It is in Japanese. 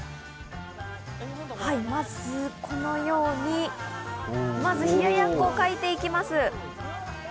まずこのように冷ややっこを描いていきます。